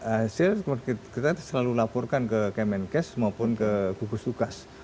ada hasil selalu kita laporkan ke kemenkes maupun ke gugus tugas